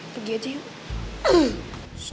pergi aja ya